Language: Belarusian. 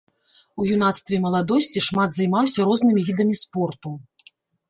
У юнацтве і маладосці шмат займаўся рознымі відамі спорту.